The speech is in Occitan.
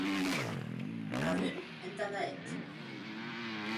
Cadun entada eth.